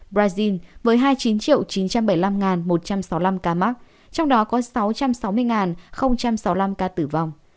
brazil với hai mươi chín chín trăm bảy mươi năm một trăm sáu mươi năm ca mắc trong đó có sáu trăm sáu mươi sáu mươi năm ca tử vong